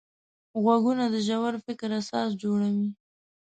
غوږونه د ژور فکر اساس جوړوي